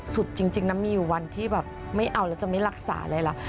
จริงนะมีอยู่วันที่แบบไม่เอาแล้วจะไม่รักษาเลยเหรอ